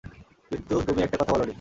কিন্তু তুমি একটা কথা বলোনি।